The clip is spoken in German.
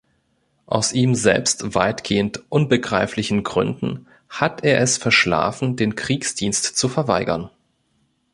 Aus ihm selbst weitgehend unbegreiflichen Gründen hat er es verschlafen, den Kriegsdienst zu verweigern.